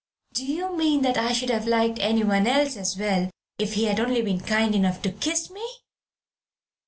"Do you mean that I should have liked anyone else as well if he had only been kind enough to kiss me?"